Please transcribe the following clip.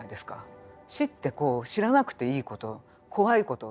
死ってこう知らなくていいこと怖いこと。